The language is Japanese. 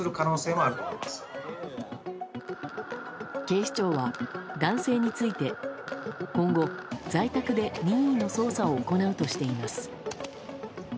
警視庁は男性について今後、在宅で任意の捜査を行うとしています。